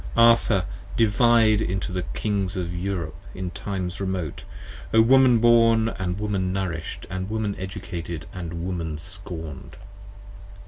Arthur, Divide into the Kings of Europe in times remote, O Woman born And Woman nourish 'd & Woman educated & Woman scorn'd!